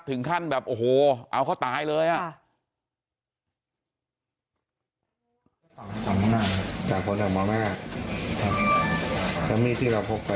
ถึงขั้นแบบโอ้โหเอาเขาตายเลยอ่ะ